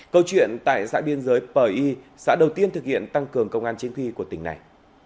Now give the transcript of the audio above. câu chuyện tại xã biên giới pờ y xã đầu tiên thực hiện tăng cường công an chính quy của tỉnh này